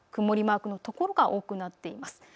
曇りマークの所が多くなっています。